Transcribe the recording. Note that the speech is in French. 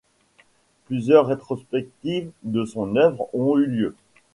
Plusieurs rétrospectives de son œuvre ont eu lieu.